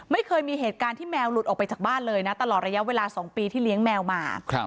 ไม่เคยมีเหตุการณ์ที่แมวหลุดออกไปจากบ้านเลยนะตลอดระยะเวลา๒ปีที่เลี้ยงแมวมา